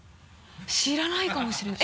知らないかもしれない！